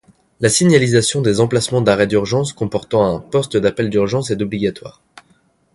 La signalisation des emplacements d'arrêt d'urgence comportant un poste d'appel d'urgence est obligatoire.